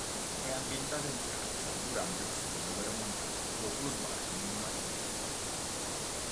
È ambientato in Francia durante la seconda guerra mondiale dopo lo sbarco in Normandia.